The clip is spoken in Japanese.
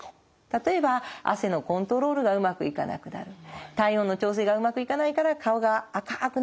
例えば汗のコントロールがうまくいかなくなる体温の調整がうまくいかないから顔が赤くなってほてってしまう。